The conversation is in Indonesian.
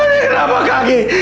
ini kenapa kaki